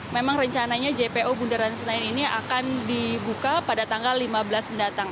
memang rencananya jpo bundaran senayan ini akan dibuka pada tanggal lima belas mendatang